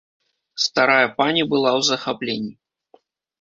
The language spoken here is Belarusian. Старая пані была ў захапленні.